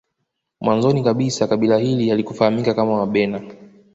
Mwanzoni kabisa kabila hili halikufahamika kama Wabena